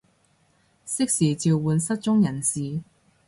適時召喚失蹤人士